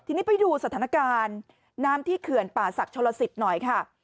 ทีนี้ไปดูสถานการณ์น้ำที่เขื่อนป่าศักดิชลสิทธิ์หน่อยค่ะ